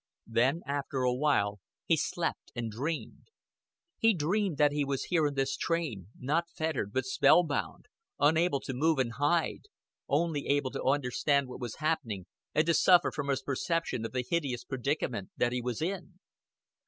Then after a while he slept and dreamed. He dreamed that he was here in this train, not fettered, but spell bound, unable to move and hide, only able to understand what was happening and to suffer from his perception of the hideous predicament that he was in.